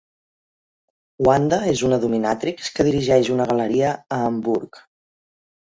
Wanda és una dominatrix que dirigeix una galeria a Hamburg.